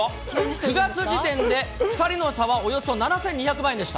９月時点で２人の差はおよそ７２００万円でした。